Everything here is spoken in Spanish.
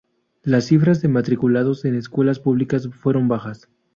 Las cifras de matriculados en escuelas públicas fueron bajas.